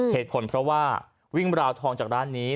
เหตุผลเพราะว่าวิ่งราวทองจากร้านนี้